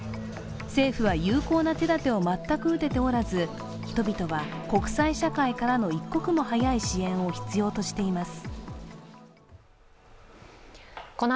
政府は有効な手だてを全く打てておらず人々は国際社会からの一刻も早い支援を必要としています。